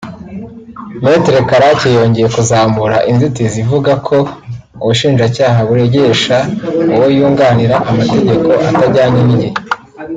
Me Karake yongeye kuzamura inzitizi ivuga ko ubushinjacyaha buregesha uwo yunganira amategeko atajyanye n’igihe